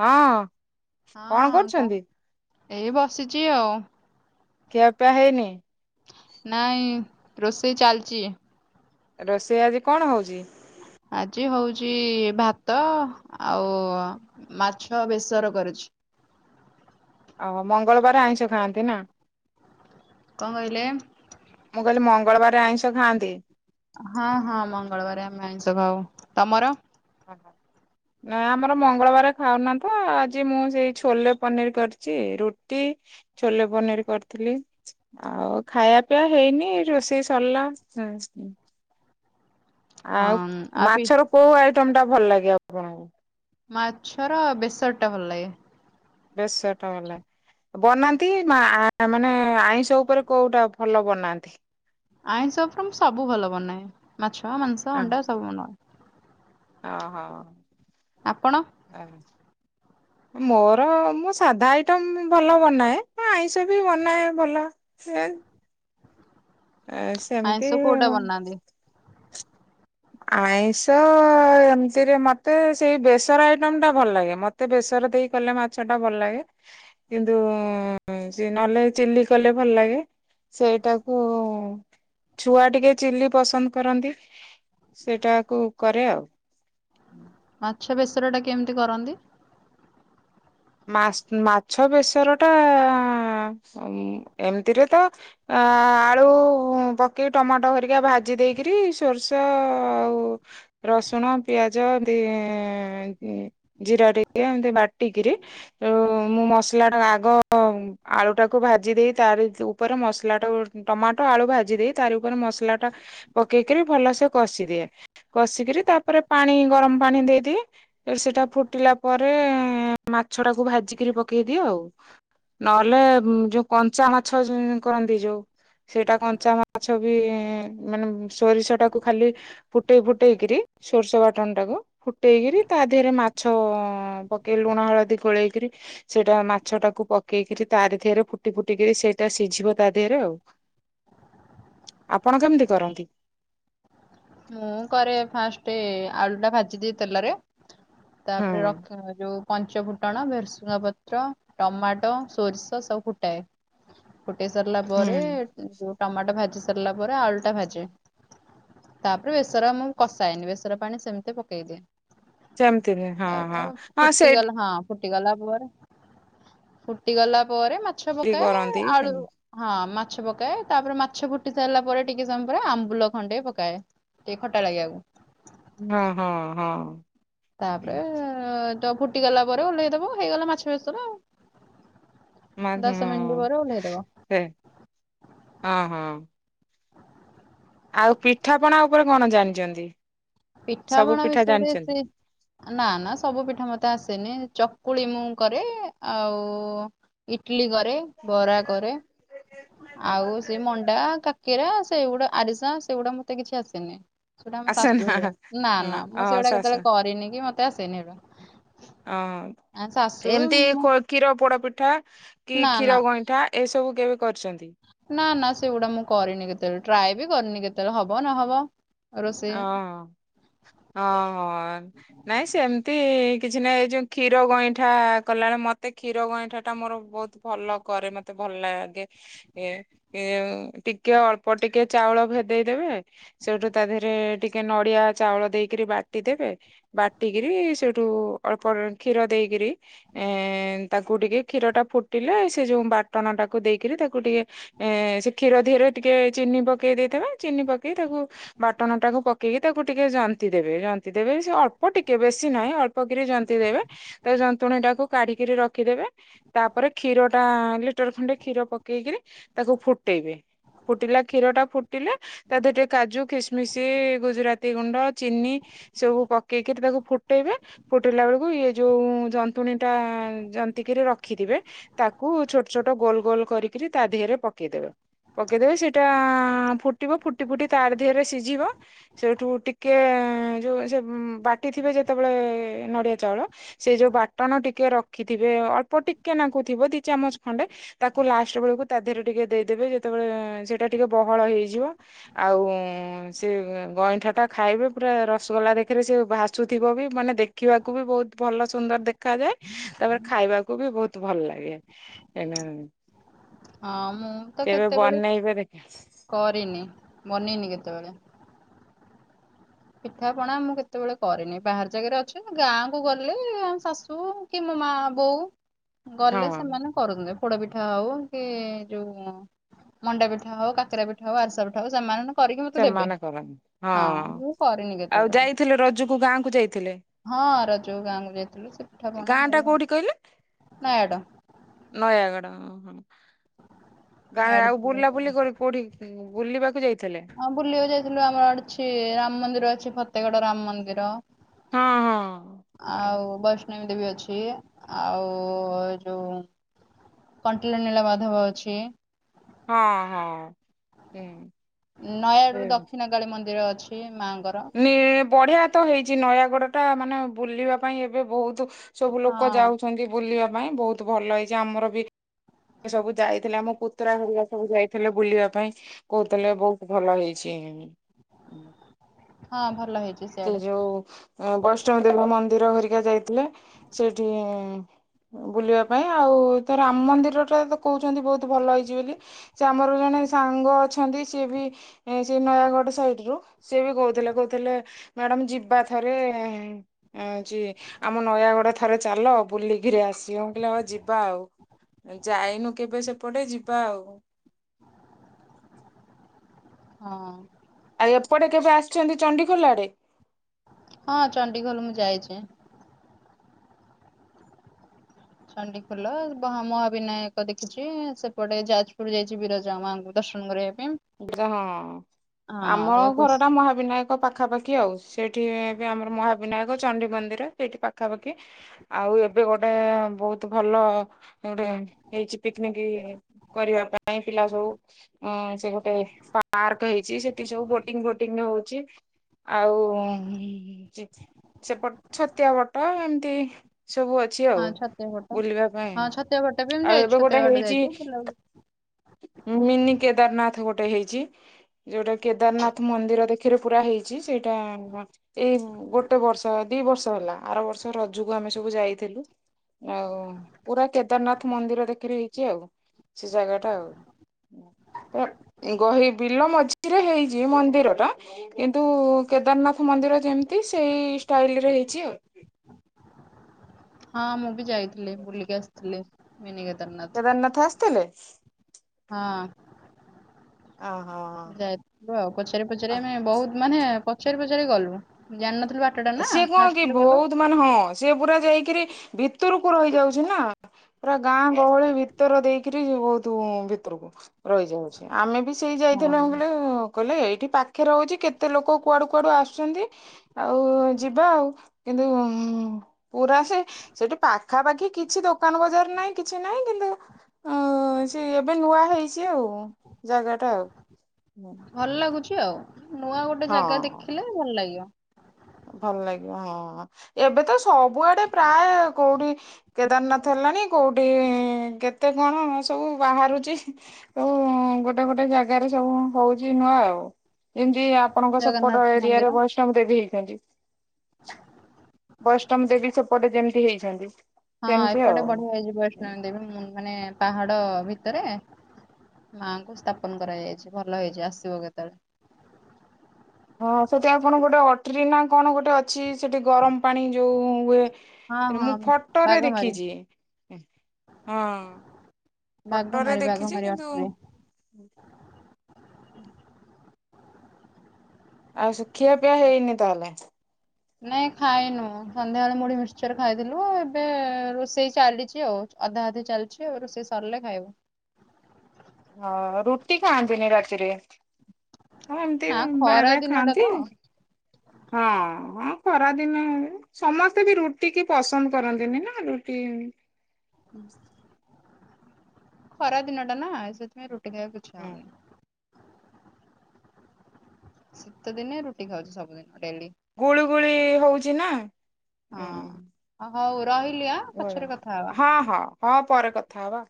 ହଁ। କଣ ହଁ କହ। କରୁଛନ୍ତି? ଏଇ ବସିଚି ଆଉ। ଖିଆପିଆ ହେଇନି? ନାଇଁ ରୋଷେଇ ଚାଲିଚି। ରୋଷେଇ ଆଜି କଣ ହଉଚି? ଆଜି ହଉଚି ଭାତ ଆଉ ମାଛ ବେସର କରିଚି। ଆଉ ମଙ୍ଗଳବାରେ ଆଇଁଷ ଖାଆନ୍ତି ନା। କଣ କହିଲେ? ମୁଁ କହିଲି ମଙ୍ଗଳବାରେ ଆଇଁଷ ଖାଆନ୍ତି। ହଁ ହଁ ମଙ୍ଗଳବାରେ ଆମେ ଆଇଁଷ ଖାଉ। ତମର? ହଁ ହଁ। ନାଇଁ ଆମର ମଙ୍ଗଳବାରେ ଖାଉନା ତ, ଆଜି ମୁଁ ସେଇ ଛୋଲେ ପନିର୍ କରିଚି। ରୁଟି ଛୋଲେ ପନିର କରିଥିଲି। ଆଉ ଖାଇବା ପିଇବା ହେଇନି ରୋଷେଇ ସରିଲା। ଆଉ ହଁ ଆ ପି ମାଛର କୋଉ ଆଇଟମ୍ ଟା ଭଲ ଲାଗେ ଆପଣଙ୍କୁ? ମାଛର ବେସର ଟା ଭଲ ଲାଗେ। ବେସର ଟା ଭଲ ଲାଗେ। ବନାନ୍ତି ମା ମାନେ ଆଇଁଷ ଉପରେ କୋଉଟା ଭଲ ବନାନ୍ତି? ଆଇଁଷ ଉପରେ ମୁଁ ସବୁ ଭଲ ବନାଏ। ମାଛ, ମାଂସ, ଅଣ୍ଡା ସବୁ ବନାଏ। ଅ ହଁ। ଆପଣ ମୋର ମୁଁ ସାଧା ଆଇଟମ ଭଲ ବନାଏ। ହଁ ଆଇଁଷ ବି ବନାଏ ଭଲ। ସେ ଏ ଆଇଁଷ ସେମତି କୋଉଟା ବନାନ୍ତି ଆଇଁଷ ଏମତିରେ ମତେ ସେଇ ବେସର ଆଇଟମ ଟା ଭଲ ଲାଗେ। ମ ତ ବେସର ଦେଇ କଲେ ମାଛ ଟା ଭଲ ଲାଗେ। ଏ ଯୋଉ ସେ ନହେଲେ ଚିଲି କଲେ ଭଲ ଲାଗେ। ସେଇଟାକୁ ଛୁଆ ଟିକେ ଚିଲି ପସନ୍ଦ କରନ୍ତି। ସେଇଟାକୁୁ କରେ ଆଉ। ମାଛ ବେସର ଟା କେମିତି କରନ୍ତି? ମାସ୍ ମାଛ ବେସର ଟା ଏମିତିରେ ତ ଆ ଆଳୁ ପକେଇ ଟମାଟୋ ହେରିକା ଭାଜି ଦେଇକିରି ସୋରିଷ ଆଉ ରସୁଣ ପିଆଜ ଦି ଜିରା ଟିକେ ଏମତି ବାଟି କିରି, ମୁଁ ମସଲା ଟା ଆଗ ଆଳୁ ଟାକୁ ଭାଜି ଦେଇ ତାରି ଉ ଉପରେ ମସଲା ଟାଉ ଟମାଟୋ ଆଳୁ ଭାଜି ଦେଇ ତାରି ଉପରେ ମସଲା ଟା ପକେଇକିରି ଭଲସେ କଷିଦିଏ। କଷିକିରି ତାପରେ ପାଣି ଗରମ ପାଣି ଦେଇଦିଏ। ସେଟା ଫୁଟିଲା ପରେ ମାଛ ଟାକୁ ଭାଜିିକିରି ପକେଇ ଦିଏ ଆଉ। ନହେଲେ ଯୋଉ କଞ୍ଚା ମାଛ କରନ୍ତି ଯୋଉ ସେଇଟା କଞ୍ଚା ମାଛ ବି ମାନେ ସୋରିଷ ଟାକୁ ଖାଲି ଫୁଟେଇ ଫୁଟେଇକିରି ସୋରିଷ ବାଟଣ ଟାକୁ ଫୁଟେଇକିରି ତା ଦେହରେ ମାଛ ପକେଇଲୁ ଲୁଣ ହଳଦୀ ଗୋଳେଇକିରି ସେଇଟା ମାଛ ଟାକୁ ପକେଇକିରି ତାରି ଦେହରେ ଫୁଟି ଫୁଟିକିରି ସେଇଟା ସିଝିବ ତା ଦେହରେ ଆଉ। [unintelligible] ଆପଣ କେମିତି କରନ୍ତି? ମୁଁ କରେ ଫାଷ୍ଟ ଆଳୁ ଟା ଭାଜିଦିଏ ତେଲରେ। ହୁଁ ତାପରେ ରସୁଣ ଯୋଉ କଞ୍ଚ ଫୁଟଣ ଭେରସୁଙ୍ଗା ପତ୍ର ଟମାଟୋ ସୋରିଷ ସବୁ ଫୁଟାଏ। ଫୁଟେଇ ସାରିଲା ପରେ ହୁଁ ଟମାଟୋ ଭାଜି ସାରିଲା ପରେ ଆଳୁ ଟା ଭାଜେ। ତାପରେ ବେସର ମୁଁ କଷାନି ବେସର ପାଣି ସେମିତି ପକେଇଦିଏ। ସେମିତି ହଁ ଆଉ ହଁ ତ ହଁ ଫୁଟି ଗଲେ ସେଇଠି ହଁ। ଫୁଟିଗଲା ପରେ ଫୁଟିଗଲା ପରେ ମାଛ ପକାଏ କରନ୍ତି ଆଳୁ ସେମିତି। ହଁ ମାଛ ପକାଏ ତାପରେ ମାଛ ଫୁଟି ସାରିଲା ପରେ ଟିକେ ସମୟ ପରେ ଆମ୍ବୁଲ ଖଣ୍ଡେ ପ। କାଏ ଟିକେ ଖଟା ଲାଗିବାକୁ। ହଁ ହଁ ହଁ। ତାପରେ ତ ଫୁଟିଗଲା ପରେ ଓହ୍ଲେଇଦବ ହେଇଗଲା ମାଛ ବେସର ଆଉ। ଦଶ ମିନିଟ୍ ହଁ ପରେ ଓହ୍ଲେଇ ଦବ ସେ ହଁ ହଁ। [inaudible] ଆଉ ପିଠାପଣା ଉପରେ କଣ ଜାଣିଛନ୍ତି? ପିଠା ସବୁ ପଣ ପିଠା ବିଷରେ ଜାଣିଛନ୍ତି? ଏତେ ନା ନା ସବୁ ପିଠା ମତେ ଆସେନି ଚକୁଳି ମୁଁ କରେ ଆଉ ଇଟିଲୀ କରେ। ବରା କରେ ଆଉ ସେ ମଣ୍ଡା କାକେରା ସେଗୁଡା ଆରିସା ସେଗୁଡା ମତେ କିଛି ଆସେନି ସେଟା ମୋ ଆସେ ଶାଶୁ ନା ହଁ ନା ଅ ନା ମୁଁ ଆସ ସେଗୁଡା କେତେବେଳେ ହଁ କରିନି କି ମତେ ଆସେନି ହେଇରା। ଅ ଏମିତି ମୁଁ କ୍ଷୀର ପୋଡ ପିଠା କି ନା ନା କ୍ଷୀର ଗଇଁଠା। ଏସବୁ କେବେ କରିଛନ୍ତି? ନା ନା ସେଗୁଡା ମୁଁ କରିନି କେତେବେଳେ ଟ୍ରାଏ ବି କରିନି କେତେବେଳେ ହବ ନହବ। ରୋଷେଇ ହଁ ହ ହ ନାଇଁ ସେମିତି ମେ କିଛି ନା ଏ ଯଉ କ୍ଷୀର ଗଇଁଠା କଲାବେଳେ ମତେ କ୍ଷୀର ଗଇଁଠା ଟା ମୋର ବହୁତ ଭଲ କରେ ମତେ। ଭଲ ଲାଗେ। ଏ ଏ ଟିକେ ଅଳ୍ପ ଟିକେ ଚାଉଳ ଭେଦେଇଦେବେ ସେଇଠୁ ତା ଦେହରେ ଟିକେ ନଡିଆ ଚାଉଳ ଦେଇକରି ବାଟି ଦେବେ। ବାଟିକିରି ସେଇଠୁ ଅଳ୍ପ କ୍ଷୀର ଦେଇକିରି। ଏଁ ତାକୁ ଟିକେ କ୍ଷୀର ଟା ଫୁଟିଲେ ସେ ଯୋଉ ବାଟନ ଟାକୁ ଦେଇକରି ତାକୁ ଟିକେ ଏ ସେ କ୍ଷୀର ଧିଅରେ ଟିକେ ଚିନି ପକେଇ ଦେଇଥିବା ଚିନି ପକେଇ ତାକୁ ବାଟଣଟାକୁ ପକେଇକି ତାକୁ ଟିକେ ଜନ୍ତି ଦେବେ ଜନ୍ତିି ଦେବେ ସେ ଅଳ୍ପ ଟିକେ ବେଶୀ ନାହିଁ ଅଳ୍ପ କିରି ଜନ୍ତିି ଦେବେ ତା ଯନ୍ତୁଣୀ ଟାକୁ କାଢିକିରି ରଖିଦେବେ। ତାପରେ କ୍ଷୀର ଟା ଲିଟର ଖଣ୍ଡେ କ୍ଷୀର ପକେଇକରି ତାକୁ ଫୁଟେଇବେ। ଫୁଟିଲା କ୍ଷୀର ଟା ଫୁଟିଲେ ତା ଦେରେ ଟିକେ କାଜୁ କିସ ମିଶି ଗୁଜୁରାତି ଗୁଣ୍ଡ ଚିନି ସବୁ ପକେଇକି ତାକୁ ଫୁଟେଇବେ ଫୁଟେଇଲା ବେଳକୁ ଇଏ ଯୋଉ ଯନ୍ତ ଫୁଣି ତା ଯନ୍ତି କରି ରଖିଥିବେ ତାକୁ ଛଟ ଛୋଟ ଗୋଲ ଗୋଲ କରି ସେଇଟି ତା ଦେହରେ ପକେଇଦେବେ ପକେଇଦେବେ ସେଇଟା ଫୁଟିବ ଫୁଟି ଫୁଟି ତାହାରି ଦେହରେ ସି ଯିବ। ସେଇଠୁ ଟିକେ ଯୋଉ ସେ ବାଟି ଥିବେ ଯେତେବେଳେ ନଡିଆ ଚାଉଳ। ସେ ଯୋଉ ବାଟଣ ଟିକେ ରଖିଥିବେ ଅଳ୍ପ ଟିକେ ନାକୁ ଥିବ ଦି ଚାମଚ ଖଣ୍ଡେ। ତାକୁ ଲାଷ୍ଟ ବେଳକୁ ତା ଦେହରେ ଟିକେ ଦେଇଦେବେ ଯେତେବେଳେ ସେଇଟା ଟିକେ ବହଳ ହେଇଯିବ। ଆଉ ଉଁ ସେ ଗଇଁଠାଟା ଖାଇବେ ପୁରା ରସଗୋଲା ଦେଖରେ ସେ ଭାସୁଥିବ ବି ମାନେ ଦେଖ ଦେଖିବାକୁ ବି ବହୁତ ଭଲ ସୁନ୍ଦର ଦେଖାାଯାଏ ତାପରେ ଖାଇବାକୁ ବି ବହୁତ ଭଲ ଲାଗେ। ଏନା [inaudible] ହଁ ମୁଁ ତ କେତେବେଳେ ବନେଇବେ ଦେଖ କରିନି ବନିନି କେତେବେଳେ। ପିଠା ପଣା ମୁଁ କେତେବେଳେ କରିନି ବାହାର ଜାଗାରେ ଅଛି ଗାଁକୁୁ ଗଲେ ଆମ ଶାଶୁ କି ମୋ ମା ବୋଉ ଗଲେ ହଁ। ସେମାନେ କରନ୍ତି ପୋଡପିଠା ହଉ କି ଯୋଉ ମଣ୍ଡା ପିଠା ହଉ କାକରା ପିଠା ହଉ ଆରିସା ପିଠା ହଉ ସେମାନେ କରିକି ମତେ ଦେବେ ସେମାନେ କରନ୍ତି ହଁ କରିନି ଆଉ କେତେବେଳେ ଯାଇଥିଲେ ରଜୁକୁ ଗାଁକୁ ଯାଇଥିଲେ? ହଁ ରଜକୁ ଗାଁକୁ ଯାଇଥିଲୁ ସେ ପିଠା ପଣା ଗାଁ ହେଇ ଟା କୋଉଠି କହିଲେ ନୟାଡ଼ ନୟାଗଡ ଗାଁରେ ନୟାଗଡ ଆଉ ଜିଲ୍ଲାରେ ବୁଲାବୁଲି ଗଲେ କୋଉଠିକି? ବୁଲିବାକୁ ଯାଇଥେଲେ? ହଁ ବୁଲିବାକୁ ଯାଇଥିଲୁ ଆମର ଅ ଅଛି ରାମ ମନ୍ଦିର ଅଛି ଫତେଗଡ ରାମ ମନ୍ଦିର। ହଁ ହଁ ଆଉ ଵୈସ୍ ଷ୍ଟମ୍ବି ଦେବି ଅଛି ଆଉ ଏ ଯୋଉ କଣ୍ଟିଲ ନୀଳମାଧବ ଅଛି। ହଁ ହଁ ହୁଁ। ନୟାଗଡ଼ରୁୁ ହୁଁ। ଦକ୍ଷିଣକାଳୀ ମନ୍ଦିର ଅଛି ମାଆଙ୍କର। ବଢିଆ ତ ହେଇଛି ନୟାଗଡଟା, ମାନେ ବୁଲିବା ପାଇଁ ଏବେ ବହୁତୁ ସବୁ ଲୋକ ହଁ ଯାଉଛନ୍ତି ବୁଲିବା ପାଇଁ, ବହୁତ ଭଲ ହେଇଛି ଆମର ବି ସବୁ ଯାଇଥିଲେ ଆମ ପୁତୁରା ହେରିକା ସବୁ ଯାଇଥିଲେ ବୁଲିବା ପାଇଁ। କହୁଥିଲେ ବହୁତ ଭଲ ହେଇଛି। ହଁ ଭଲ ହେଇଛି। ସେ ସିଆଡେ ଯଉ ବୈଷ୍ଣବଦେବୀ ମନ୍ଦିର ହେରିକା ଯାଇ ଥିଲେ ସେଠି ବୁଲିବା ପାଇଁ ଆଉ ତ ରାମ ମନ୍ଦିରଟା ତ କହୁଛନ୍ତି ବହୁତ ଭଲ ହେଇଛି ବୋଲି। ସେ ଆମର ଜଣେ ସାଙ୍ଗ ଅଛନ୍ତି ସିଏ ବି ସେଇ ନୟାଗଡ଼ ସାଇଡରୁ ସିଏ ବି କହୁ କହୁଥିଲେ କହୁଥିଲେ ମ୍ୟାଡମ ଯିବା ଥରେ ହଉଚି ଆମ ନୟାଗଡ ଥରେ ଚାଲ। ବୁଲିକିରି ଆସିବ, ମୁଁ କହିଲି ହ ଯିବା ଆଉ ଯାଇନୁ କେବେ ସେପଟେ ଯିବା ଆଉ। ହଁ। ଆଉ ଏପଟେ କେବେ ଆସିଛନ୍ତି ଚଣ୍ଡିଖୋଲ ଆଡ଼େ? ହଁ ଚଣ୍ଡିଖୋଲ ମୁଁ ଯାଇଚି। ଚଣ୍ଡିଖୋଲ, ମହାବିନାୟକ ଦେଖିଛି। ସେପଟେ ଯାଜପୁର ଯାଇଛି ବିରଜା ମାଙ୍କୁ ଦର୍ଶନ କରିବା ପାଇଁ। ହଁ ହଁ ଆମର ଏ ଘର କୁସ୍- ଟା ମହାବିନାୟକ ପାଖାପାଖି ଆଉ, ସେଇଠି ଏବେ ଆମର ମହାବିନାୟକ ଚଣ୍ଡି ମନ୍ଦିର ସେଇଠି ପାଖାପାଖି। ଆଉ ଏବେ ଗୋଟେ ବହୁତ ଭଲ ଗୋଟେ ହେଇଛି ପିକନିକ କରିବା ପାଇଁ, ପିଲା ସବୁ ଉଁ ସେ ଗୋ ଟେ ପାର୍କ ହେଇଛି, ସେଠି ସବୁ ବୋଟିଂ ଫୋଟିଂ ହଉଛି। ଆଉ ଚି ସେପଟ ଛତିଆବଟ, ହେମିତି ସବୁ ଅଛି ଆଉ ହଁ ଛତିଆ ବଟ ବୁଲିବା ପାଇଁ, ହଁ ଛତିଆ ବଟ ବି ଆମେ ଆଉ ଯାଇଛୁ ଏବେ ଛତିଆ ଗୋଟେ ବଟ ହେଇଚି [unintelligible] ମିନି କେଦାରନାଥ ଗୋଟେ ହେଇଛି, ଯୋଉଟା କେଦାରନାଥ ମନ୍ଦିରରେ ଖିରେ ପୁରା ହେଇଛି ସେଇଟା ଏଇ ଗୋଟେବର୍ଷ, ଦିବର୍ଷ ହେଲା। ଆର ବର୍ଷ ରଜକୁ ଆମେ ସବୁ ଯାଇଥିଲୁ। ଆଉ ପୁରା କେଦାରନାଥ ମନ୍ଦିର ଦେଖି ହେଇଛି ଆଉ ସେ ଜାଗା ଆଉ ଗହିବିଲ ମଝିରେ ହେଇଛି ମନ୍ଦିର ଟା କିନ୍ତୁ କେଦାରନାଥ ମନ୍ଦିର ଯେମିତି ସେଇ ଷ୍ଟାଇଲ୍ ରେ ହେଇଛି ଆଉ। ହଁ ମୁଁ ବି ଯାଇଥିଲି ବୁଲିକି ଆସିଥିଲି, ମିନି କେଦାରନାଥ। ତେଲେ ହଁ। ଓହୋ। ଯାଇଥିଲୁ ଆଉ। ପଚାରି ପଚାରି ଆମେ, ବୋହୁତ୍ ମାନେ ପଚାରି ପଚାରି ଗଲୁ। ଜାଣିିନଥିଲୁ ସିଏ କଣ କି ବା [unintelligible] ବହୁତ ମାନେ ହଁ ସେ ପୁରା ଯାଇକିରି ଭିତରକୁ ରହିଯାଉଛି ନା। ପୁରା ଗାଁ ଗହଳି ଭିତର ଦେଇକିରି, ଯିବୁ ତୁ ଭିତୁରୁକୁ। ରହିଯାଉଛି ଆମେ ବି ସେଇ ଯାଇଥିଲୁ ହଁ। ଆମକୁ କହିଲେ କହିଲେ ଏଇଠି ପାଖରେ ରହୁଛି କେତେ ଲୋକ କୁଆଡୁ କୁଆଡୁ ଆସୁଛନ୍ତି। ଆଉ ଯିବା ଆଉ କିନ୍ତୁ ଉଁ ପୁରା ସେ ସେଠି ପାଖାପାଖି କିଛି ଦୋକାନ ବଜାର ନାହିଁ, କିଛି ନାହିଁ। କିନ୍ତୁ ହ ସେ ଏବେ ନୂଆ ହେଇଛି ଆଉ। ଜାଗାଟା ଆଉ। ଭଲ ଲାଗୁଛି ଆଉ। ନୂଆ ଗୋଟେ ଜାଗା ହଁ। ଦେଖିଲେ ଭଲ ଲାଗିବ। ଭଲ ଲାଗିବ ହଁ ଏବେ ତ ସବୁଆଡେ ପ୍ରାୟ କୋଉଠି କେଦାରନାଥ ହେଲାଣି କୋଉଠି ଇ କେତେ କଣ ସବୁ ବାହାରୁଛି। ତ ଗୋଟେ ଗୋଟେ ଜାଗାରେ ସବୁ ହୋଉଛି ନୂଆ ଆଉ। ଯେମିତି ଆପ ଆପଣଙ୍କ ସେପଟ ଜଗନ୍ନାଥ ଏରିଆରେ ମନ୍ଦିର ବୈ ବୈଷ୍ଣ ଦେବୀ ହେଇଛନ୍ତି। ବୈଷ୍ଣବ ଦେବୀ ସେପଟେ ଯେମିତି ହେଇଛନ୍ତି। ହଁ ସେମିତି ଆଉ। ଏପଟେ ବଢିଆ ହେଇଯିବ ବୈଷ୍ଣ ଦେବୀ ମୁ ମାନେ ପାହାଡ ଭିତରେ ମାଙ୍କୁ ସ୍ଥାପନ କରାଯାଇଛି ଭ। ଲ ହେଇଛି ଆସିବ କେତେବେଳେ। ହଁ ସେଠି ଆଉ କଣ ଗୋଟେ ଅଟ୍ରି ନା କଣ ଗୋଟେ ଅଛି ସେଠି ଗରମ ପାଣି ଯୋଉ ହୁଏ? ହଁ ରୁ ମୁଁ ହଁ ଫଟୋରେ ବାଘମାରି ଦେଖିଛି। ହଁ। ଫଟୋରେ ବାଘମାରି ଦେଖିଛି, ବାଘମାରି କିନ୍ତୁ ଅଟ୍ରି ଆଉ ସେ ଖିଆ ପିଆ ହେଇନି ତାହେଲେ? ନାଇଁ ଖାଇନୁ, ସନ୍ଧ୍ୟାବେଳେ ମୁଢି ମିକ୍ସଚର୍ ଖାଇଥିଲୁ ଏବେ ରୋଷେଇ ଚାଲିଛି ଆଉ। ଅଧା ଅଧି ଚାଲିଛି ଆଉ, ରୋଷେଇ ସରିଲେ ଖାଇବୁ। ହଁ ରୁଟି ଖାଆନ୍ତିନି ରାତିରେ? ହଁ ଏମିତି ନା ବେଳେ ଖରା ବେଳେ ଦିନଟା ଖାଆନ୍ତି। ତ ହଁ ହଁ ଖରାଦିନେ ସମସ୍ତେ ବି ରୁଟି କି ପସନ୍ଦ କରନ୍ତିନି ନା ରୁଟି ଖରା ଦିନ ଟା ନା ସେଥିପାଇଁ ରୁଟି ଖାଇବାକୁ ଇଛା ହୁଁ ହୋଉନି। ଶୀତ ଦିନେ ରୁଟି ଖାଉଛି ସବୁଦିନ୍ ଡେଲି। ଗୁଳୁ ଗୁଳି ହୋଉଛି ନା। ହୁଁ ହଁ ହୋଉ ରହିଲି ଆ। ହଁ ହଁ। ହଁ ପରେ କଥା ହବା।